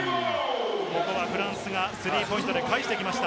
ここはフランスがスリーポイントで返してきました。